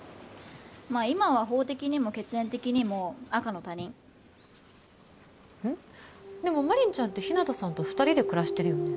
まあ今は法的にも血縁的にも赤の他人うん？でも真凛ちゃんって日向さんと２人で暮らしてるよね